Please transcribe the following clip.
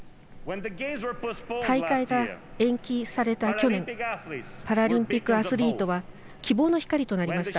大会が延期された去年パラリンピックアスリートは希望の光となりました。